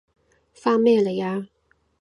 返咩嚟啊？